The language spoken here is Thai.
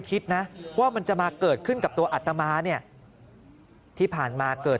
คิดนะว่ามันจะมาเกิดขึ้นกับตัวอัตมาเนี่ยที่ผ่านมาเกิด